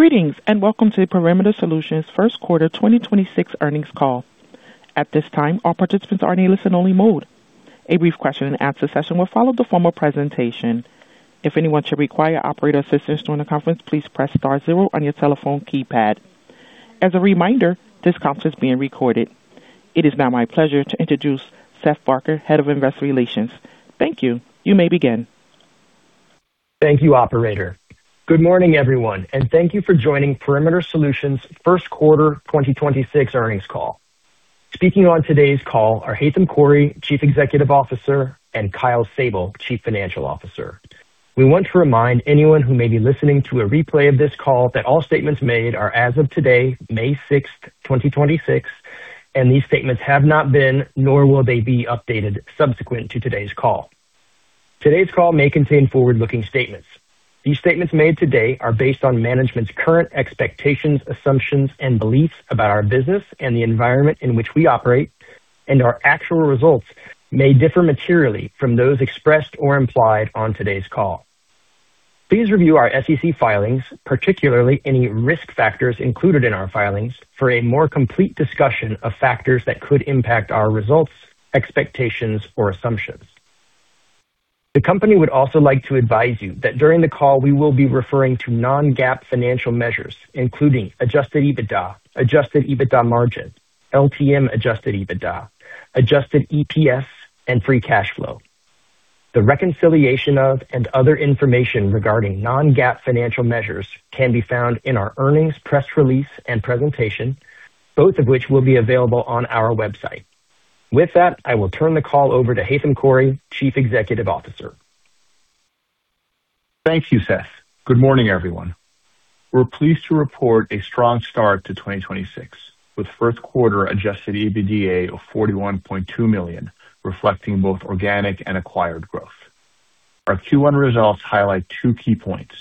Greetings, and welcome to the Perimeter Solutions 1st quarter 2026 earnings call. At this time, all participants are in a listen-only mode. A brief question-and-answer session will follow the formal presentation. If anyone should require operator assistance during the conference, please press star zero on your telephone keypad. As a reminder, this conference is being recorded. It is now my pleasure to introduce Seth Barker, Head of Investor Relations. Thank you. You may begin. Thank you, operator. Good morning, everyone, and thank you for joining Perimeter Solutions first quarter 2026 earnings call. Speaking on today's call are Haitham Khouri, Chief Executive Officer, and Kyle Sable, Chief Financial Officer. We want to remind anyone who may be listening to a replay of this call that all statements made are as of today, May 6, 2026, and these statements have not been, nor will they be updated subsequent to today's call. Today's call may contain forward-looking statements. These statements made today are based on management's current expectations, assumptions, and beliefs about our business and the environment in which we operate. Our actual results may differ materially from those expressed or implied on today's call. Please review our SEC filings, particularly any risk factors included in our filings, for a more complete discussion of factors that could impact our results, expectations, or assumptions. The company would also like to advise you that during the call we will be referring to non-GAAP financial measures, including adjusted EBITDA, adjusted EBITDA margin, LTM adjusted EBITDA, adjusted EPS, and free cash flow. The reconciliation of and other information regarding non-GAAP financial measures can be found in our earnings press release and presentation, both of which will be available on our website. With that, I will turn the call over to Haitham Khouri, Chief Executive Officer. Thank you, Seth. Good morning, everyone. We're pleased to report a strong start to 2026, with first quarter adjusted EBITDA of $41.2 million, reflecting both organic and acquired growth. Our Q1 results highlight two key points.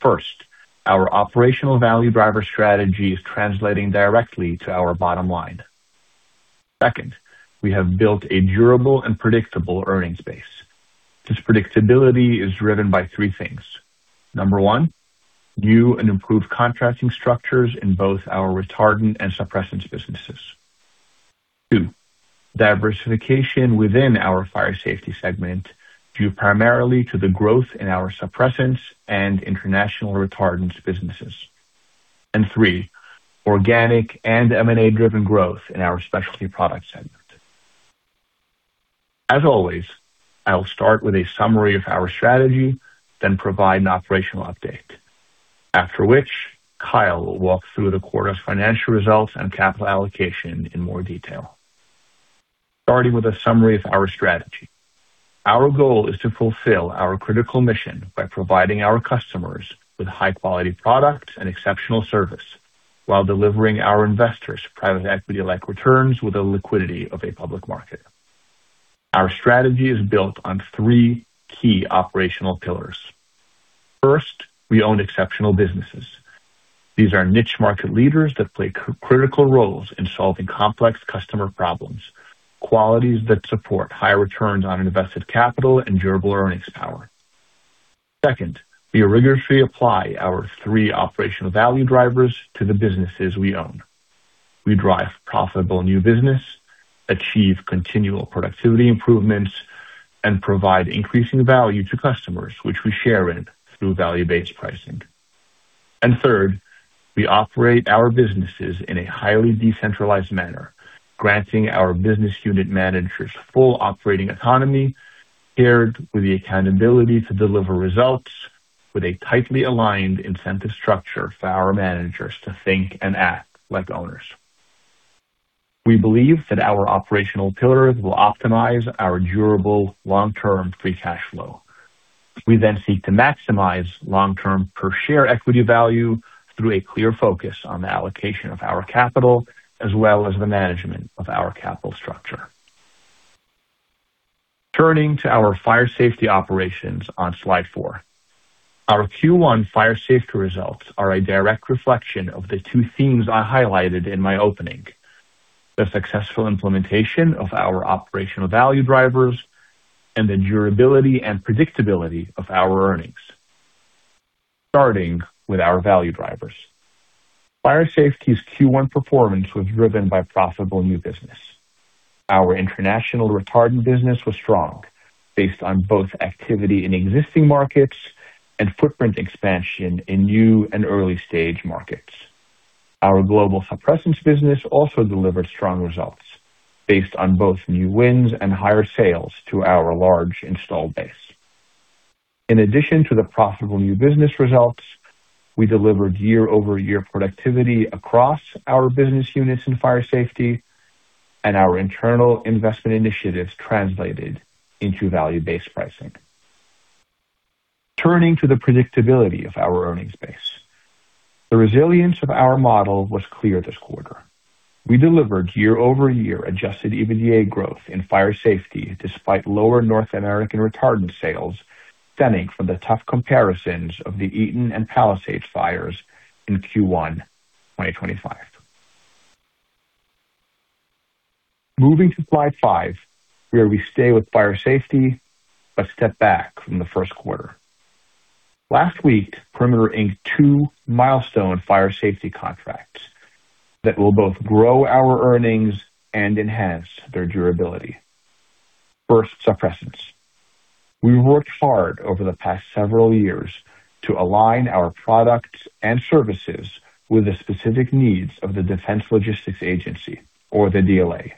First, our operational value driver strategy is translating directly to our bottom line. Second, we have built a durable and predictable earnings base. This predictability is driven by three things. Number one, new and improved contracting structures in both our retardant and suppressants businesses. Two, diversification within our fire safety segment, due primarily to the growth in our suppressants and international retardants businesses. Three, organic and M&A-driven growth in our specialty product segment. As always, I'll start with a summary of our strategy, then provide an operational update. After which, Kyle will walk through the quarter's financial results and capital allocation in more detail. Starting with a summary of our strategy. Our goal is to fulfill our critical mission by providing our customers with high-quality products and exceptional service while delivering our investors private equity-like returns with the liquidity of a public market. Our strategy is built on three key operational pillars. First, we own exceptional businesses. These are niche market leaders that play critical roles in solving complex customer problems, qualities that support high returns on invested capital and durable earnings power. Second, we rigorously apply our three operational value drivers to the businesses we own. We drive profitable new business, achieve continual productivity improvements, and provide increasing value to customers, which we share in through value-based pricing. Third, we operate our businesses in a highly decentralized manner, granting our business unit managers full operating autonomy paired with the accountability to deliver results with a tightly aligned incentive structure for our managers to think and act like owners. We believe that our operational pillars will optimize our durable long-term free cash flow. We seek to maximize long-term per share equity value through a clear focus on the allocation of our capital as well as the management of our capital structure. Turning to our fire safety operations on slide four. Our Q1 fire safety results are a direct reflection of the two themes I highlighted in my opening. The successful implementation of our operational value drivers and the durability and predictability of our earnings. Starting with our value drivers. Fire safety's Q1 performance was driven by profitable new business. Our international retardant business was strong based on both activity in existing markets and footprint expansion in new and early-stage markets. Our global suppressants business also delivered strong results based on both new wins and higher sales to our large installed base. In addition to the profitable new business results, we delivered year-over-year productivity across our business units in fire safety. Our internal investment initiatives translated into value-based pricing. Turning to the predictability of our earnings base. The resilience of our model was clear this quarter. We delivered year-over-year adjusted EBITDA growth in fire safety despite lower North American retardant sales, stemming from the tough comparisons of the Eaton and Palisades fires in Q1 2025. Moving to slide five, where we stay with fire safety. Step back from the first quarter. Last week, Perimeter inked two milestone fire safety contracts that will both grow our earnings and enhance their durability. First, suppressants. We worked hard over the past several years to align our products and services with the specific needs of the Defense Logistics Agency or the DLA.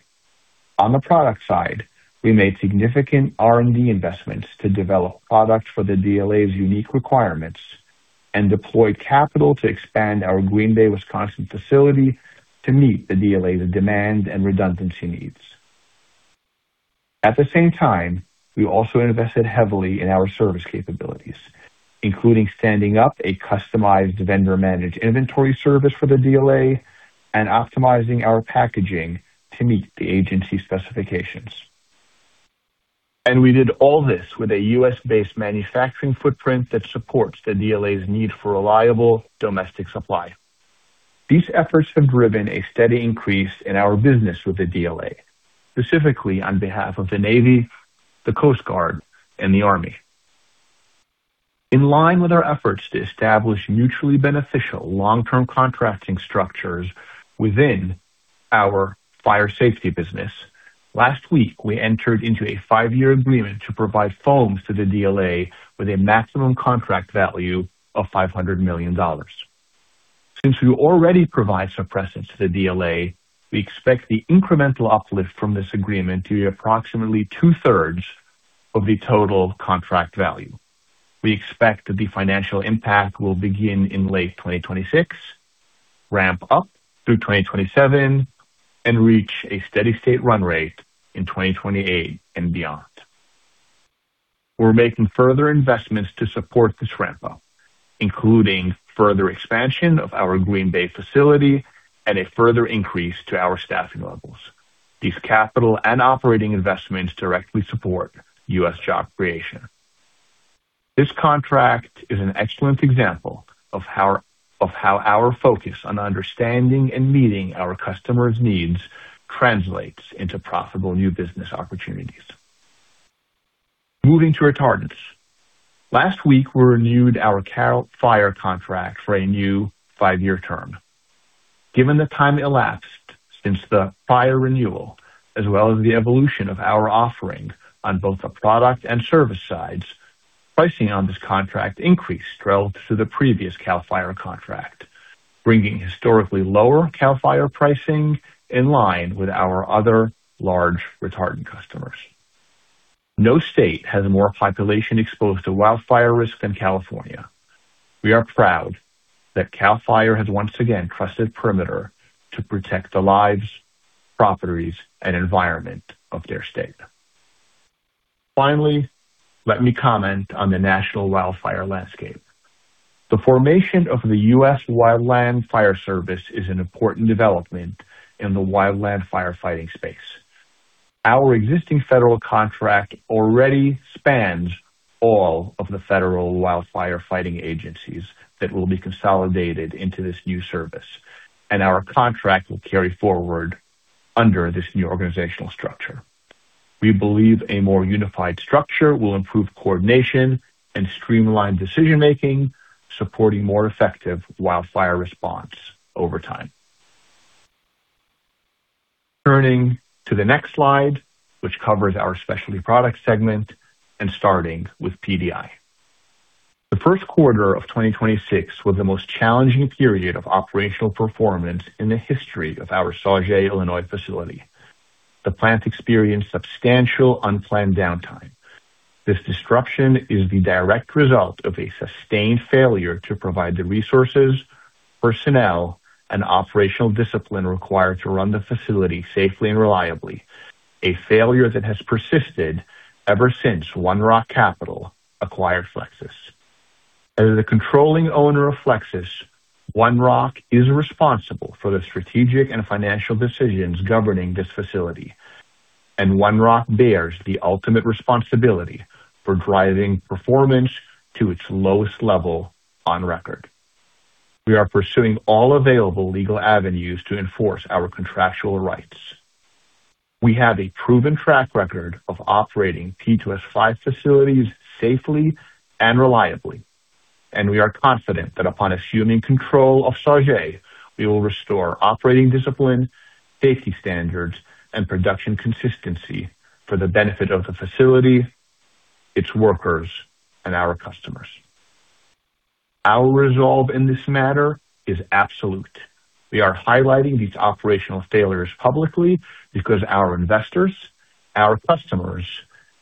On the product side, we made significant R&D investments to develop products for the DLA's unique requirements and deploy capital to expand our Green Bay, Wisconsin, facility to meet the DLA's demand and redundancy needs. At the same time, we also invested heavily in our service capabilities, including standing up a customized vendor-managed inventory service for the DLA and optimizing our packaging to meet the agency specifications. We did all this with a U.S.-based manufacturing footprint that supports the DLA's need for reliable domestic supply. These efforts have driven a steady increase in our business with the DLA, specifically on behalf of the Navy, the Coast Guard, and the Army. In line with our efforts to establish mutually beneficial long-term contracting structures within our fire safety business, last week we entered into a five-year agreement to provide foams to the DLA with a maximum contract value of $500 million. Since we already provide suppressants to the DLA, we expect the incremental uplift from this agreement to be approximately 2/3 of the total contract value. We expect that the financial impact will begin in late 2026, ramp up through 2027, and reach a steady state run rate in 2028 and beyond. We're making further investments to support this ramp up, including further expansion of our Green Bay facility and a further increase to our staffing levels. These capital and operating investments directly support U.S. job creation. This contract is an excellent example of how our focus on understanding and meeting our customers' needs translates into profitable new business opportunities. Moving to retardants. Last week, we renewed our CAL FIRE contract for a new five-year term. Given the time elapsed since the fire renewal, as well as the evolution of our offering on both the product and service sides, pricing on this contract increased relative to the previous CAL FIRE contract, bringing historically lower CAL FIRE pricing in line with our other large retardant customers. No state has more population exposed to wildfire risk than California. We are proud that CAL FIRE has once again trusted Perimeter to protect the lives, properties, and environment of their state. Finally, let me comment on the national wildfire landscape. The formation of the U.S. Wildland Fire Service is an important development in the wildland firefighting space. Our existing federal contract already spans all of the federal wildfire fighting agencies that will be consolidated into this new service, and our contract will carry forward under this new organizational structure. We believe a more unified structure will improve coordination and streamline decision-making, supporting more effective wildfire response over time. Turning to the next slide, which covers our specialty products segment and starting with PDI. The first quarter of 2026 was the most challenging period of operational performance in the history of our Sauget, Illinois, facility. The plant experienced substantial unplanned downtime. This disruption is the direct result of a sustained failure to provide the resources, personnel, and operational discipline required to run the facility safely and reliably. A failure that has persisted ever since One Rock Capital acquired Flexsys. As the controlling owner of Flexsys, One Rock is responsible for the strategic and financial decisions governing this facility, and One Rock bears the ultimate responsibility for driving performance to its lowest level on record. We are pursuing all available legal avenues to enforce our contractual rights. We have a proven track record of operating Title V facilities safely and reliably, and we are confident that upon assuming control of Sauget, we will restore operating discipline, safety standards, and production consistency for the benefit of the facility, its workers, and our customers. Our resolve in this matter is absolute. We are highlighting these operational failures publicly because our investors, our customers,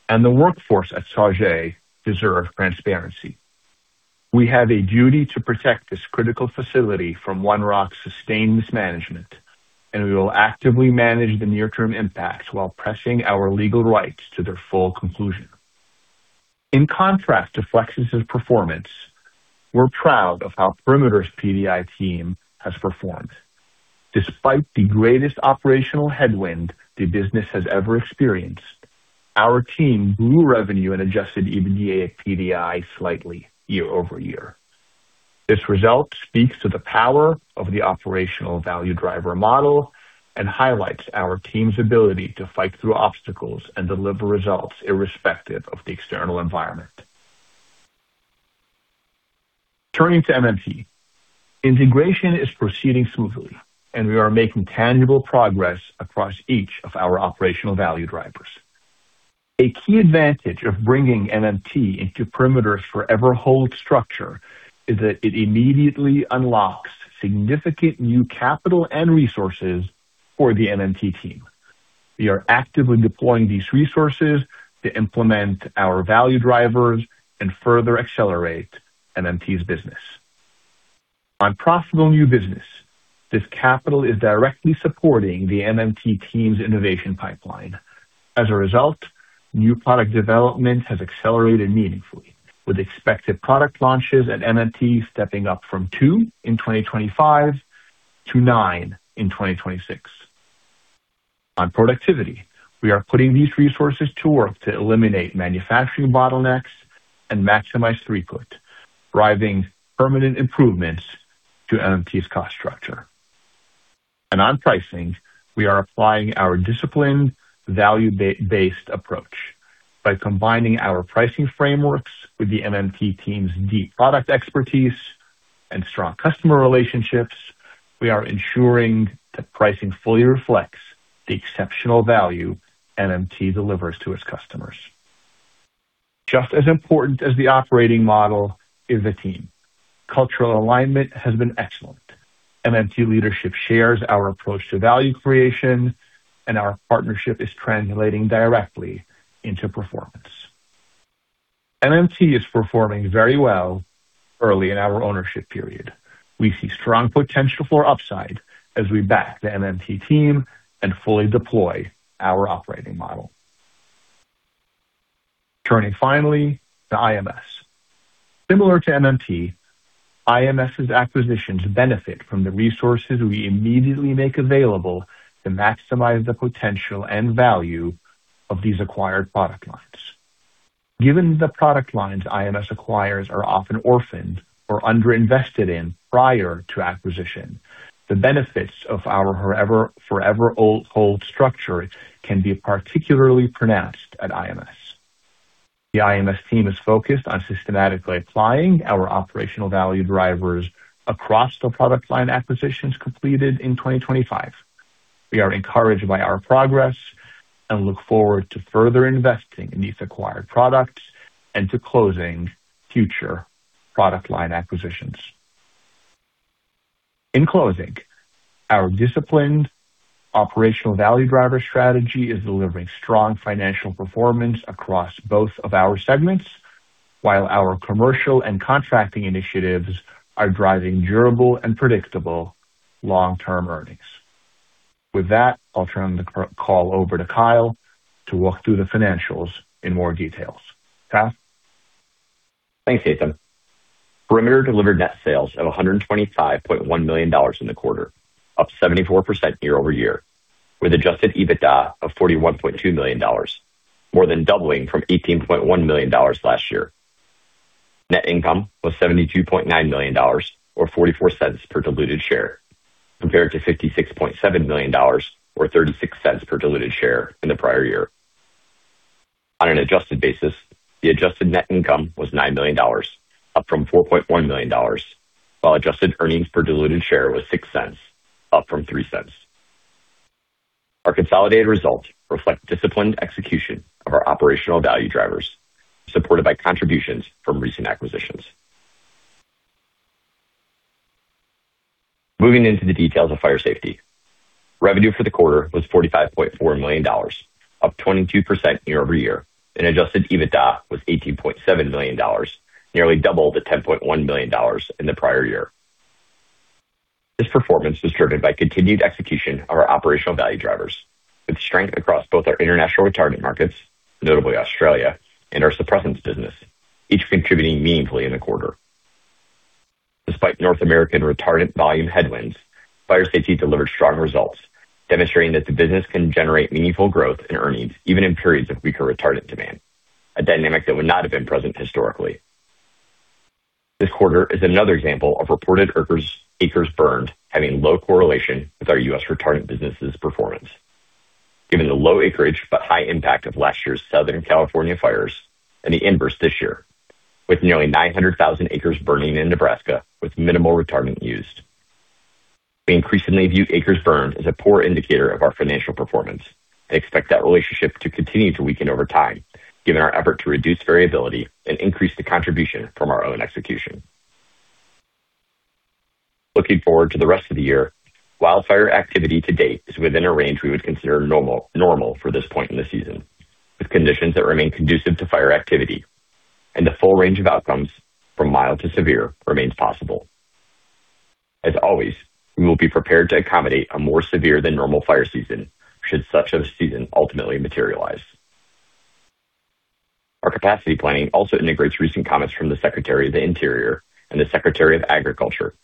and the workforce at Sauget deserve transparency. We have a duty to protect this critical facility from One Rock's sustained mismanagement, and we will actively manage the near-term impacts while pressing our legal rights to their full conclusion. In contrast to Flexsys's performance, we're proud of how Perimeter's PDI team has performed. Despite the greatest operational headwind the business has ever experienced, our team grew revenue and adjusted EBITDA at PDI slightly year-over-year. This result speaks to the power of the operational value driver model and highlights our team's ability to fight through obstacles and deliver results irrespective of the external environment. Turning to MMT. Integration is proceeding smoothly, and we are making tangible progress across each of our operational value drivers. A key advantage of bringing MMT into Perimeter's forever hold structure is that it immediately unlocks significant new capital and resources for the MMT team. We are actively deploying these resources to implement our value drivers and further accelerate MMT's business. On profitable new business, this capital is directly supporting the MMT team's innovation pipeline. As a result, new product development has accelerated meaningfully with expected product launches at MMT stepping up from two in 2025 to nine in 2026. On productivity, we are putting these resources to work to eliminate manufacturing bottlenecks and maximize throughput, driving permanent improvements to MMT's cost structure. On pricing, we are applying our disciplined value-based approach. By combining our pricing frameworks with the MMT team's deep product expertise and strong customer relationships, we are ensuring that pricing fully reflects the exceptional value MMT delivers to its customers. Just as important as the operating model is the team. Cultural alignment has been excellent. MMT leadership shares our approach to value creation and our partnership is translating directly into performance. MMT is performing very well early in our ownership period. We see strong potential for upside as we back the MMT team and fully deploy our operating model. Turning finally to IMS. Similar to MMT, IMS's acquisitions benefit from the resources we immediately make available to maximize the potential and value of these acquired product lines. Given the product lines IMS acquires are often orphaned or underinvested in prior to acquisition, the benefits of our forever old hold structure can be particularly pronounced at IMS. The IMS team is focused on systematically applying our operational value drivers across the product line acquisitions completed in 2025. We are encouraged by our progress and look forward to further investing in these acquired products and to closing future product line acquisitions. In closing, our disciplined operational value driver strategy is delivering strong financial performance across both of our segments, while our commercial and contracting initiatives are driving durable and predictable long-term earnings. With that, I'll turn the c-call over to Kyle to walk through the financials in more details. Kyle? Thanks, Haitham. Perimeter delivered net sales of $125.1 million in the quarter, up 74% year-over-year, with adjusted EBITDA of $41.2 million, more than doubling from $18.1 million last year. Net income was $72.9 million or $0.44 per diluted share, compared to $56.7 million or $0.36 per diluted share in the prior year. On an adjusted basis, the Adjusted Net Income was $9 million, up from $4.1 million, while adjusted earnings per diluted share was $0.06, up from $0.03. Our consolidated results reflect disciplined execution of our operational value drivers, supported by contributions from recent acquisitions. Moving into the details of fire safety. Revenue for the quarter was $45.4 million, up 22% year-over-year. Adjusted EBITDA was $18.7 million, nearly double the $10.1 million in the prior year. This performance was driven by continued execution of our operational value drivers with strength across both our international retardant markets, notably Australia and our suppressants business, each contributing meaningfully in the quarter. Despite North American retardant volume headwinds, Fire Safety delivered strong results, demonstrating that the business can generate meaningful growth in earnings even in periods of weaker retardant demand, a dynamic that would not have been present historically. This quarter is another example of reported acres burned having low correlation with our U.S. retardant business' performance. Given the low acreage but high impact of last year's Southern California fires and the inverse this year, with nearly 900,000 acres burning in Nebraska with minimal retardant used. We increasingly view acres burned as a poor indicator of our financial performance and expect that relationship to continue to weaken over time, given our effort to reduce variability and increase the contribution from our own execution. Looking forward to the rest of the year, wildfire activity to date is within a range we would consider normal for this point in the season, with conditions that remain conducive to fire activity and the full range of outcomes from mild to severe remains possible. As always, we will be prepared to accommodate a more severe than normal fire season should such a season ultimately materialize. Our capacity planning also integrates recent comments from the Secretary of the Interior and the Secretary of Agriculture,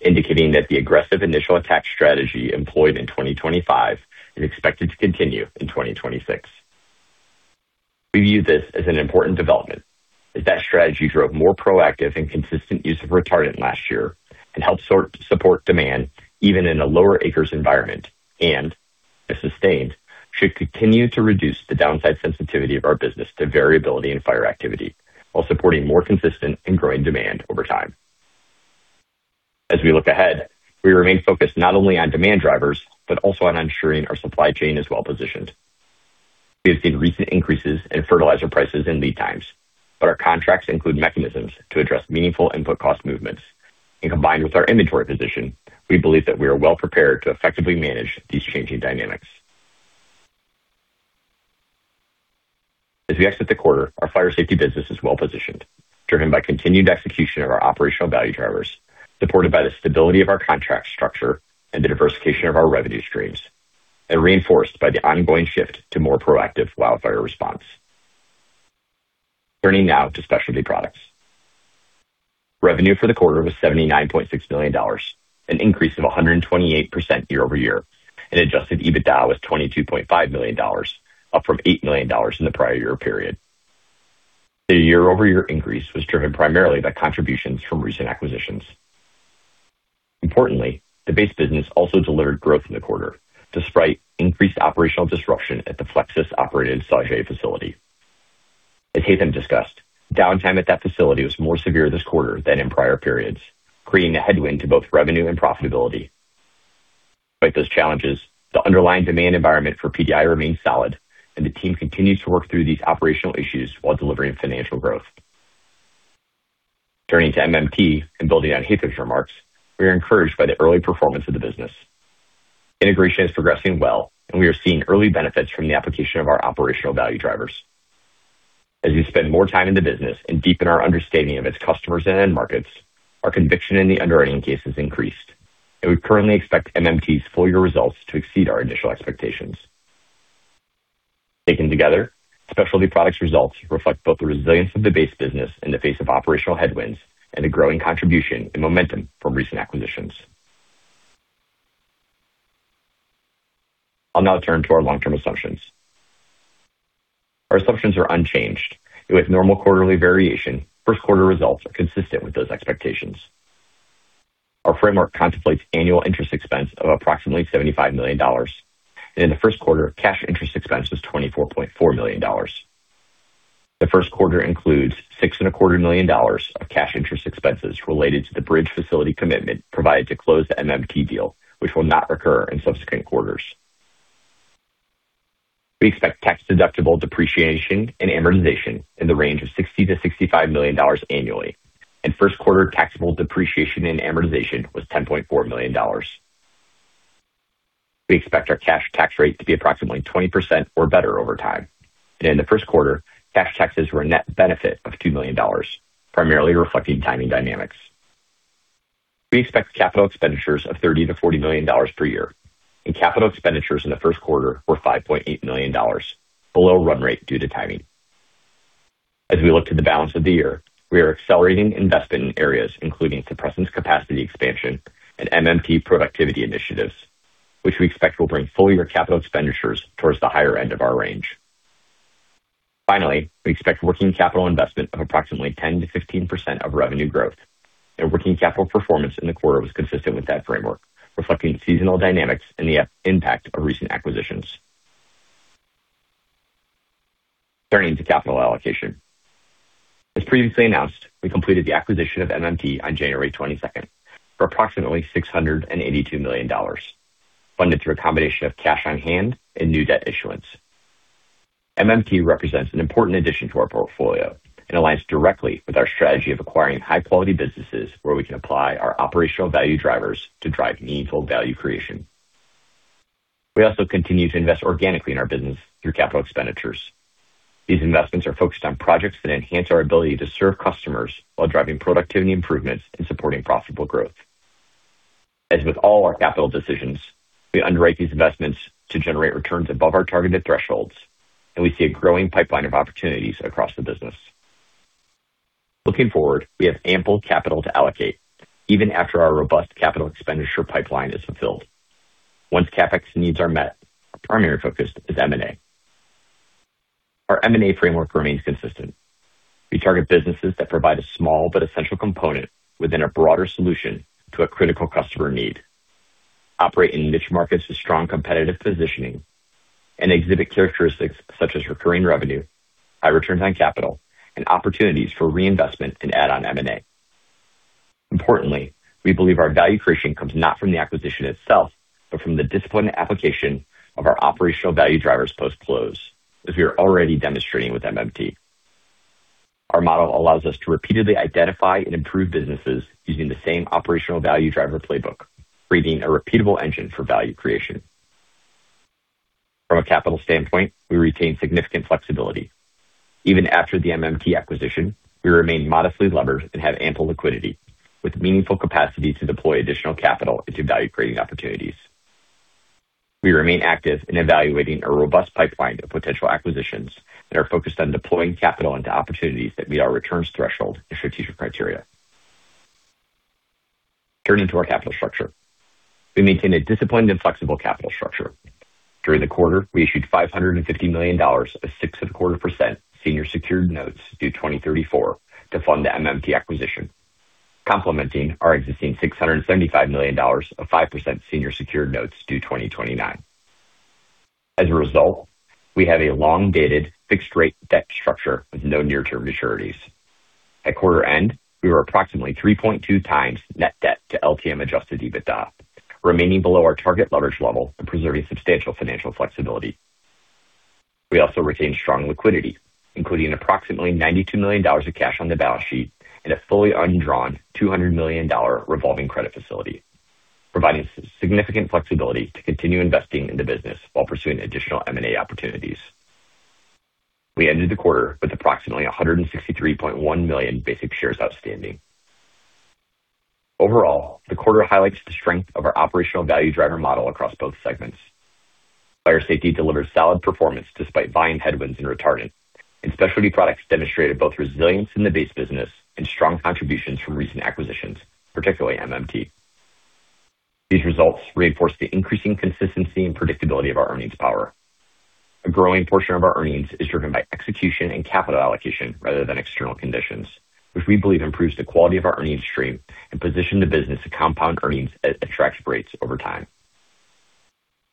indicating that the aggressive initial attack strategy employed in 2025 is expected to continue in 2026. We view this as an important development as that strategy drove more proactive and consistent use of retardant last year and helped support demand even in a lower acres environment. If sustained, should continue to reduce the downside sensitivity of our business to variability and fire activity while supporting more consistent and growing demand over time. As we look ahead, we remain focused not only on demand drivers, but also on ensuring our supply chain is well-positioned. We have seen recent increases in fertilizer prices and lead times, but our contracts include mechanisms to address meaningful input cost movements. Combined with our inventory position, we believe that we are well prepared to effectively manage these changing dynamics. As we exit the quarter, our fire safety business is well-positioned, driven by continued execution of our operational value drivers, supported by the stability of our contract structure and the diversification of our revenue streams, and reinforced by the ongoing shift to more proactive wildfire response. Turning now to specialty products. Revenue for the quarter was $79.6 million, an increase of 128% year-over-year, and adjusted EBITDA was $22.5 million, up from $8 million in the prior year period. The year-over-year increase was driven primarily by contributions from recent acquisitions. Importantly, the base business also delivered growth in the quarter despite increased operational disruption at the Flexsys-operated Sauget facility. As Haitham discussed, downtime at that facility was more severe this quarter than in prior periods, creating a headwind to both revenue and profitability. Despite those challenges, the underlying demand environment for PDI remains solid, and the team continues to work through these operational issues while delivering financial growth. Turning to MMT and building on Haitham's remarks, we are encouraged by the early performance of the business. Integration is progressing well, and we are seeing early benefits from the application of our operational value drivers. As we spend more time in the business and deepen our understanding of its customers and end markets, our conviction in the underlying case has increased, and we currently expect MMT's full year results to exceed our initial expectations. Taken together, specialty products results reflect both the resilience of the base business in the face of operational headwinds and the growing contribution and momentum from recent acquisitions. I'll now turn to our long-term assumptions. Our assumptions are unchanged, and with normal quarterly variation, first quarter results are consistent with those expectations. Our framework contemplates annual interest expense of approximately $75 million, and in the first quarter, cash interest expense was $24.4 million. The first quarter includes six and a quarter million dollars of cash interest expenses related to the bridge facility commitment provided to close the MMT deal, which will not recur in subsequent quarters. We expect tax-deductible depreciation and amortization in the range of $60 million-$65 million annually, and first quarter taxable depreciation and amortization was $10.4 million. We expect our cash tax rate to be approximately 20% or better over time. In the first quarter, cash taxes were a net benefit of $2 million, primarily reflecting timing dynamics. We expect capital expenditures of $30 million-$40 million per year, and capital expenditures in the first quarter were $5.8 million below run rate due to timing. We look to the balance of the year, we are accelerating investment in areas including suppressants capacity expansion and MMT productivity initiatives, which we expect will bring full-year capital expenditures towards the higher end of our range. Finally, we expect working capital investment of approximately 10%-15% of revenue growth, and working capital performance in the quarter was consistent with that framework, reflecting seasonal dynamics and the impact of recent acquisitions. Turning to capital allocation. As previously announced, we completed the acquisition of MMT on January 22nd for approximately $682 million, funded through a combination of cash on hand and new debt issuance. MMT represents an important addition to our portfolio and aligns directly with our strategy of acquiring high-quality businesses where we can apply our operational value drivers to drive meaningful value creation. We also continue to invest organically in our business through capital expenditures. These investments are focused on projects that enhance our ability to serve customers while driving productivity improvements and supporting profitable growth. As with all our capital decisions, we underwrite these investments to generate returns above our targeted thresholds, and we see a growing pipeline of opportunities across the business. Looking forward, we have ample capital to allocate even after our robust capital expenditure pipeline is fulfilled. Once CapEx needs are met, our primary focus is M&A. Our M&A framework remains consistent. We target businesses that provide a small but essential component within a broader solution to a critical customer need, operate in niche markets with strong competitive positioning, and exhibit characteristics such as recurring revenue, high returns on capital, and opportunities for reinvestment in add-on M&A. Importantly, we believe our value creation comes not from the acquisition itself, but from the disciplined application of our operational value drivers post-close, as we are already demonstrating with MMT. Our model allows us to repeatedly identify and improve businesses using the same operational value driver playbook, creating a repeatable engine for value creation. From a capital standpoint, we retain significant flexibility. Even after the MMT acquisition, we remain modestly levered and have ample liquidity with meaningful capacity to deploy additional capital into value-creating opportunities. We remain active in evaluating a robust pipeline of potential acquisitions and are focused on deploying capital into opportunities that meet our returns threshold and strategic criteria. Turning to our capital structure. We maintain a disciplined and flexible capital structure. During the quarter, we issued $550 million of 6% senior secured notes due 2034 to fund the MMT acquisition, complementing our existing $675 million of 5% senior secured notes due 2029. As a result, we have a long-dated fixed rate debt structure with no near-term maturities. At quarter end, we were approximately 3.2x net debt to LTM adjusted EBITDA, remaining below our target leverage level and preserving substantial financial flexibility. We also retained strong liquidity, including approximately $92 million of cash on the balance sheet and a fully undrawn $200 million revolving credit facility, providing significant flexibility to continue investing in the business while pursuing additional M&A opportunities. We ended the quarter with approximately 163.1 million basic shares outstanding. Overall, the quarter highlights the strength of our operational value driver model across both segments. Fire Safety delivered solid performance despite volume headwinds in retardant, and Specialty Products demonstrated both resilience in the base business and strong contributions from recent acquisitions, particularly MMT. These results reinforce the increasing consistency and predictability of our earnings power. A growing portion of our earnings is driven by execution and capital allocation rather than external conditions, which we believe improves the quality of our earnings stream and position the business to compound earnings at attractive rates over time.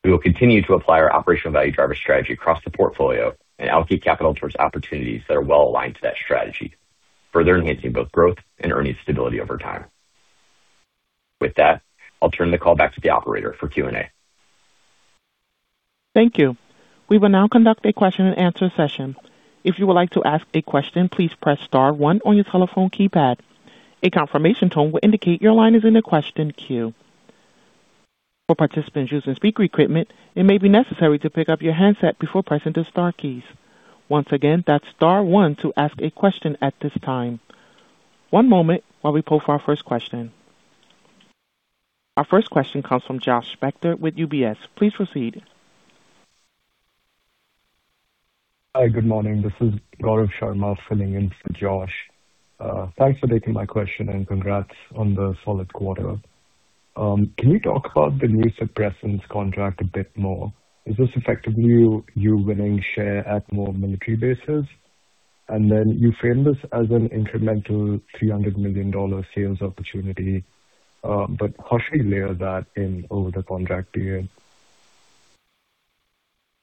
We will continue to apply our operational value driver strategy across the portfolio and allocate capital towards opportunities that are well aligned to that strategy, further enhancing both growth and earnings stability over time. With that, I'll turn the call back to the operator for Q&A. Thank you, we will now conduct the question and answer session. If you will like to ask a question press star one on your telephone keypad. A confirmation tone will indicate your line is the question que. All participant who uses speaker equipment you maybe necessary to pick up your handset before pressing the star keys. Once again that's star one to ask a question at this time. One moment while we pull for first question. Our first question comes from Joshua Spector with UBS. Please proceed. Hi, good morning. This is Gaurav Sharma filling in for Josh. Thanks for taking my question and congrats on the solid quarter. Can you talk about the new suppressants contract a bit more? Is this effectively you winning share at more military bases? You frame this as an incremental $300 million sales opportunity. How should we layer that in over the contract period?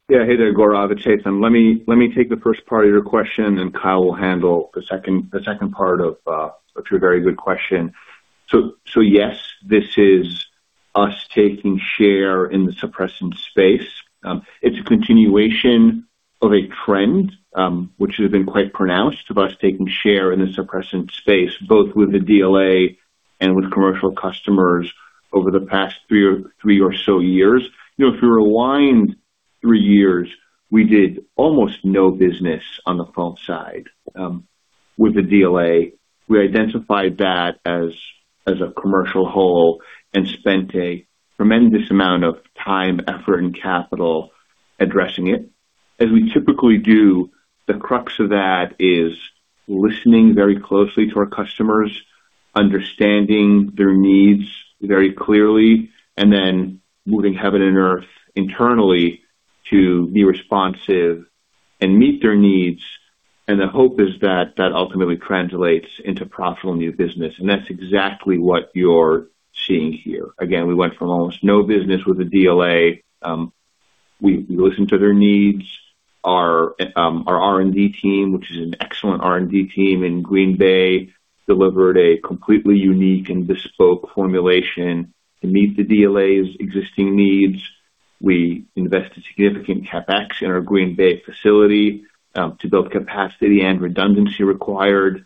Yeah. Hey there, Gaurav. It's Haitham. Let me take the first part of your question and Kyle will handle the second part of your very good question. Yes, this is us taking share in the suppressant space. It's a continuation of a trend which has been quite pronounced of us taking share in the suppressant space, both with the DLA and with commercial customers over the past three or so years. You know, if we rewind three years, we did almost no business on the front side with the DLA. We identified that as a commercial whole and spent a tremendous amount of time, effort, and capital addressing it. As we typically do, the crux of that is listening very closely to our customers, understanding their needs very clearly, and then moving heaven and earth internally to be responsive and meet their needs. The hope is that that ultimately translates into profitable new business. That's exactly what you're seeing here. Again, we went from almost no business with the DLA. We listened to their needs. Our R&D team, which is an excellent R&D team in Green Bay, delivered a completely unique and bespoke formulation to meet the DLA's existing needs. We invested significant CapEx in our Green Bay facility to build capacity and redundancy required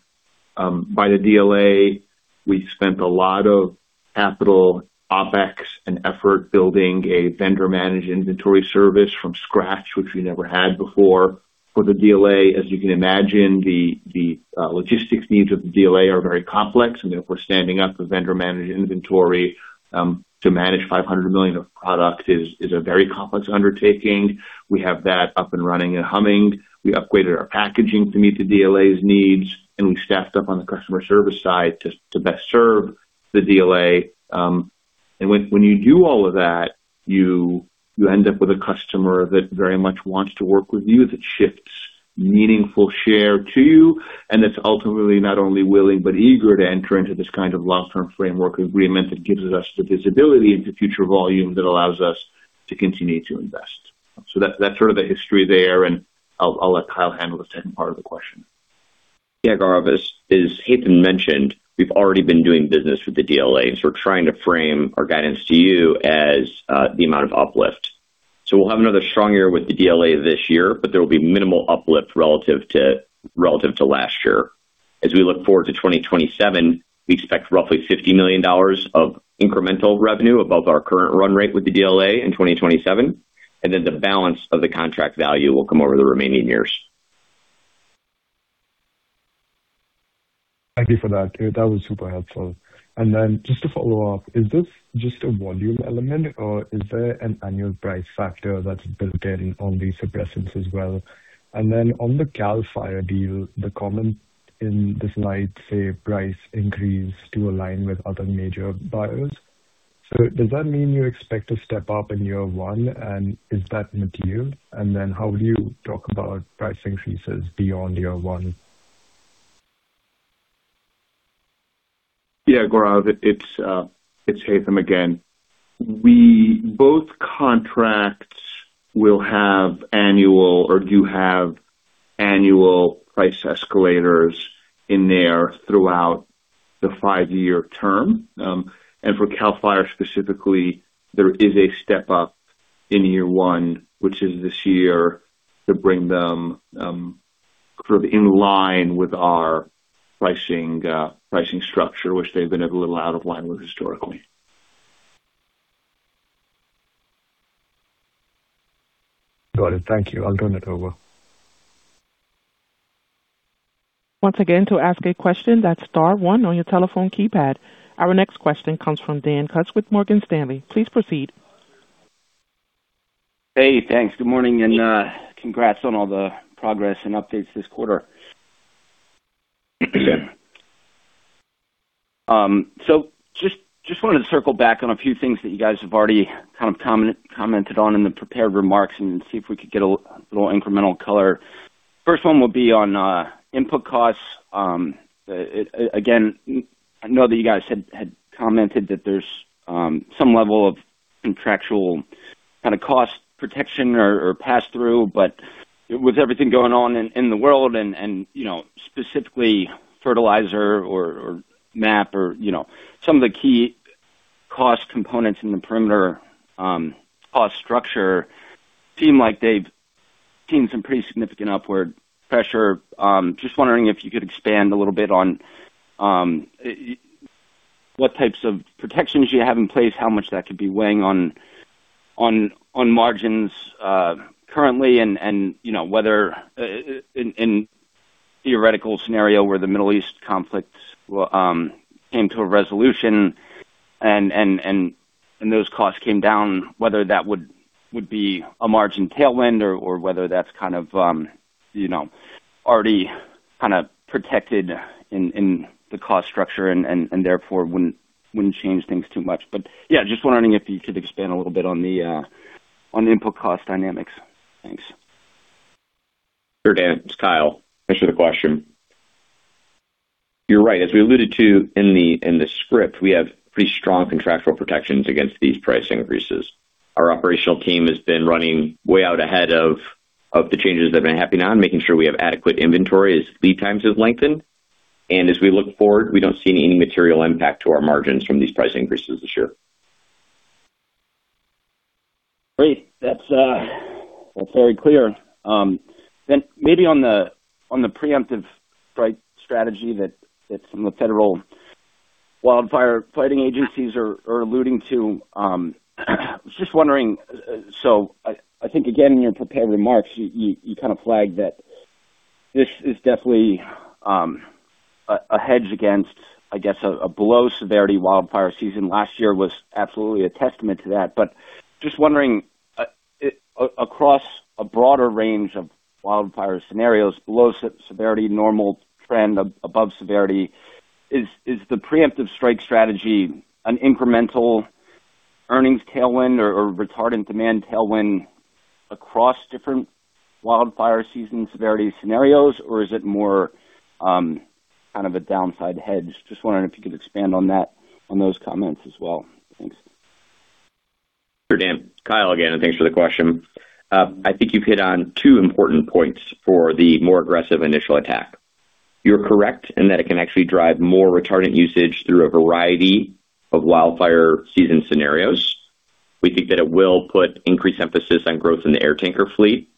by the DLA. We spent a lot of capital, OpEx and effort building a vendor-managed inventory service from scratch, which we never had before for the DLA. As you can imagine, the logistics needs of the DLA are very complex. Therefore, standing up a vendor-managed inventory to manage $500 million of product is a very complex undertaking. We have that up and running and humming. We upgraded our packaging to meet the DLA's needs. We staffed up on the customer service side to best serve the DLA. When you do all of that, you end up with a customer that very much wants to work with you, that shifts meaningful share to you. That's ultimately not only willing but eager to enter into this kind of long-term framework agreement that gives us the visibility into future volume that allows us to continue to invest. That's sort of the history there, and I'll let Kyle handle the second part of the question. Yeah, Gaurav. As Haitham mentioned, we've already been doing business with the DLA, so we're trying to frame our guidance to you as the amount of uplift. We'll have another strong year with the DLA this year, but there will be minimal uplift relative to last year. As we look forward to 2027, we expect roughly $50 million of incremental revenue above our current run rate with the DLA in 2027, and then the balance of the contract value will come over the remaining years. Thank you for that. That was super helpful. Just to follow up, is this just a volume element or is there an annual price factor that's built in on these suppressants as well? On the CAL FIRE deal, the comment in the slide says price increase to align with other major buyers. Does that mean you expect to step up in year one, and is that material? How would you talk about pricing increases beyond year one? Yeah, Gaurav, it's Haitham again. Both contracts will have annual or do have annual price escalators in there throughout the five-year term. For CAL FIRE specifically, there is a step-up in year one, which is this year, to bring them sort of in line with our pricing structure, which they've been a little out of line with historically. Got it. Thank you. I'll turn it over. Once again, to ask a question, that's star one on your telephone keypad. Our next question comes from Dan Kutz with Morgan Stanley. Please proceed. Hey, thanks. Good morning, and congrats on all the progress and updates this quarter. Just wanted to circle back on a few things that you guys have already kind of commented on in the prepared remarks and see if we could get a little incremental color. First one will be on input costs. Again, I know that you guys had commented that there's some level of contractual kinda cost protection or pass-through, but with everything going on in the world and, you know, specifically fertilizer or MAP or, you know, some of the key cost components in the Perimeter cost structure seem like they've seen some pretty significant upward pressure. Just wondering if you could expand a little bit on what types of protections you have in place, how much that could be weighing on margins currently, and, you know, whether in theoretical scenario where the Middle East conflicts came to a resolution and those costs came down, whether that would be a margin tailwind or whether that's kind of, you know, already kinda protected in the cost structure and therefore wouldn't change things too much. Yeah, just wondering if you could expand a little bit on the input cost dynamics. Thanks. Sure, Dan. It's Kyle. Thanks for the question. You're right. As we alluded to in the script, we have pretty strong contractual protections against these price increases. Our operational team has been running way out ahead of the changes that have been happening now and making sure we have adequate inventory as lead times have lengthened. As we look forward, we don't see any material impact to our margins from these price increases this year. Great. That's very clear. Maybe on the preemptive strike strategy that some of the federal wildfire fighting agencies are alluding to, I was just wondering, again, in your prepared remarks, you kind of flagged that this is definitely a hedge against, I guess, a below-severity wildfire season. Last year was absolutely a testament to that. Just wondering across a broader range of wildfire scenarios, below severity, normal trend, above severity, is the preemptive strike strategy an incremental earnings tailwind or retardant demand tailwind across different wildfire season severity scenarios, or is it more kind of a downside hedge? Just wondering if you could expand on that, on those comments as well. Thanks. Sure, Dan. Kyle again, thanks for the question. I think you've hit on two important points for the more aggressive initial attack. You're correct in that it can actually drive more retardant usage through a variety of wildfire season scenarios. We think that it will put increased emphasis on growth in the air tanker fleet.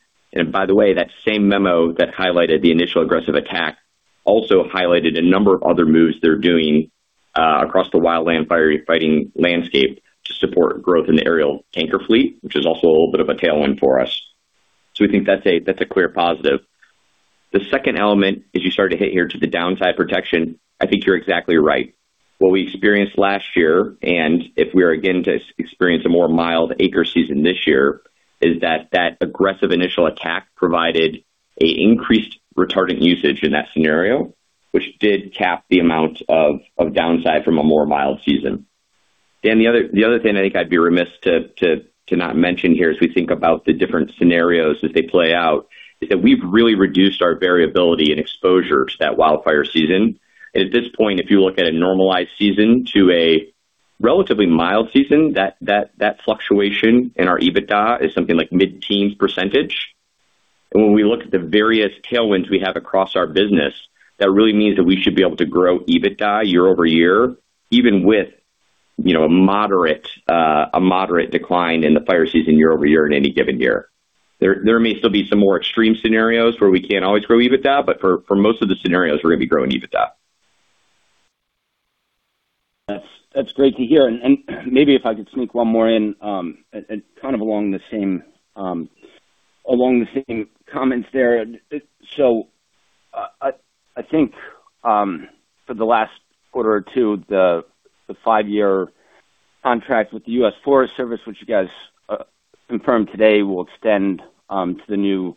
By the way, that same memo that highlighted the initial aggressive attack also highlighted a number of other moves they're doing across the wildland fire fighting landscape to support growth in the aerial tanker fleet, which is also a little bit of a tailwind for us. We think that's a clear positive. The second element is you started to hit here to the downside protection. I think you're exactly right. What we experienced last year, and if we are again to experience a more mild acre season this year, is that aggressive initial attack provided an increased retardant usage in that scenario, which did cap the amount of downside from a more mild season. Dan, the other thing I think I'd be remiss to not mention here as we think about the different scenarios as they play out is that we've really reduced our variability and exposure to that wildfire season. At this point, if you look at a normalized season to a relatively mild season, that fluctuation in our EBITDA is something like mid-teens percentage. When we look at the various tailwinds we have across our business, that really means that we should be able to grow EBITDA year-over-year, even with, you know, a moderate decline in the fire season year-over-year in any given year. There may still be some more extreme scenarios where we can't always grow EBITDA. For most of the scenarios, we're gonna be growing EBITDA. That's great to hear. Maybe if I could sneak one more in, and kind of along the same, along the same comments there. I think, for the last quarter or two, the five-year contract with the U.S. Forest Service, which you guys confirmed today, will extend to the new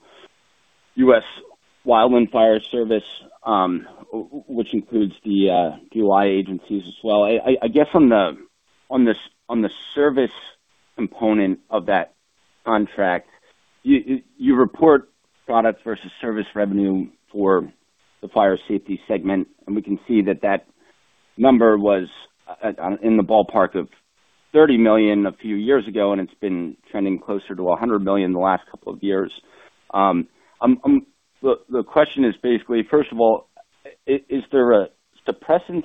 U.S. Wildland Fire Service, which includes the DOI agencies as well. I guess from the-on this, on the service component of that contract, you report product versus service revenue for the fire safety segment, and we can see that that number was in the ballpark of $30 million a few years ago, and it's been trending closer to $100 million in the last couple of years. The question is basically, first of all, is there a suppressants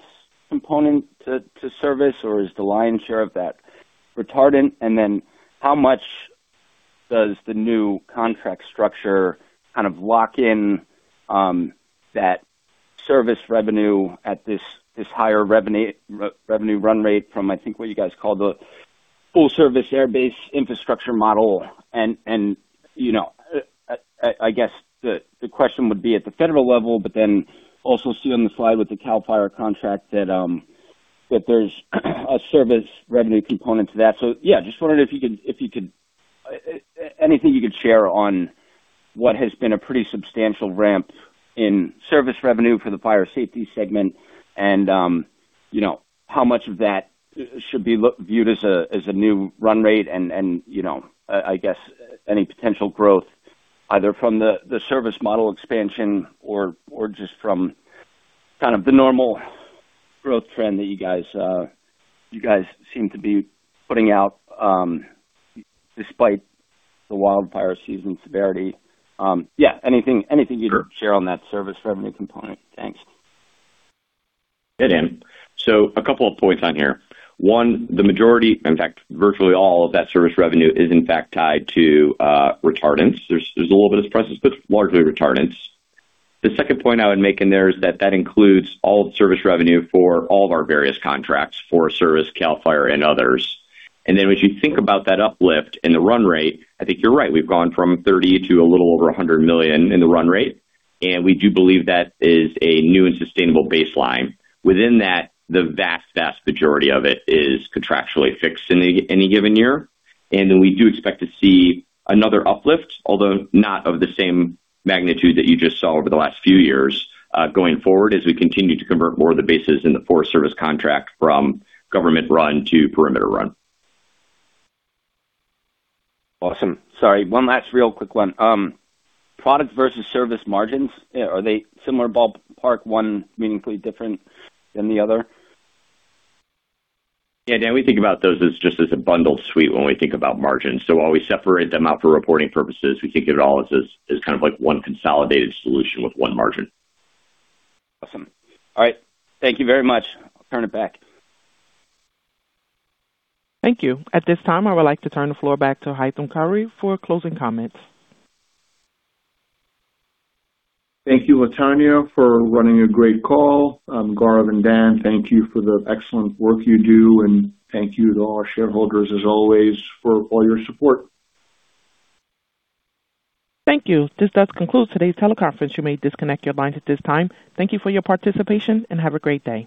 component to service or is the lion's share of that retardant? Then how much does the new contract structure kind of lock in that service revenue at this higher revenue run rate from, I think, what you guys call the full service airbase infrastructure model? You know, I guess the question would be at the federal level, but then also see on the slide with the CAL FIRE contract that there's a service revenue component to that. Yeah, just wondering if you could, anything you could share on what has been a pretty substantial ramp in service revenue for the fire safety segment and, you know, how much of that should be viewed as a new run rate and, you know, I guess any potential growth either from the service model expansion or just from kind of the normal growth trend that you guys seem to be putting out, despite the wildfire season severity. Yeah, anything you can share on that service revenue component. Thanks. Yeah, Dan. A couple of points on here. One, the majority, in fact, virtually all of that service revenue is in fact tied to fire retardants. There's a little bit of fire suppressants, but largely fire retardants. The second point I would make in there is that that includes all service revenue for all of our various contracts, Forest Service, CAL FIRE and others. As you think about that uplift in the run rate, I think you're right. We've gone from $30 million to a little over $100 million in the run rate, and we do believe that is a new and sustainable baseline. Within that, the vast majority of it is contractually fixed in any given year. We do expect to see another uplift, although not of the same magnitude that you just saw over the last few years, going forward as we continue to convert more of the bases in the Forest Service contract from government run to Perimeter run. Awesome. Sorry, one last real quick one. Product versus service margins, are they similar ballpark, one meaningfully different than the other? Yeah. Dan, we think about those as just as a bundled suite when we think about margins. While we separate them out for reporting purposes, we think of it all as this, as kind of like one consolidated solution with one margin. Awesome. All right. Thank you very much. I'll turn it back. Thank you. At this time, I would like to turn the floor back to Haitham Khouri for closing comments. Thank you, Latonya, for running a great call. Gaurav and Dan, thank you for the excellent work you do, and thank you to all our shareholders as always for all your support. Thank you. This does conclude today's teleconference. You may disconnect your lines at this time. Thank you for your participation, and have a great day.